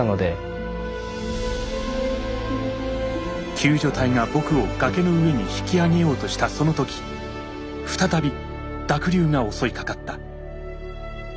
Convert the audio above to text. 救助隊が僕を崖の上に引き上げようとしたその時再び濁流が襲いかかった。